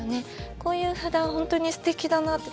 こういう札は本当にすてきだなって。